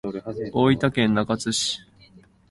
大分県中津市